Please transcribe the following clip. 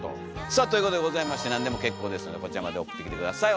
さあということでございまして何でも結構ですのでこちらまで送ってきて下さい。